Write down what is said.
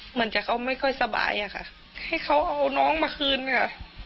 เหมือนจะเขาไม่ค่อยสบายอะค่ะให้เขาเอาน้องมาคืนค่ะ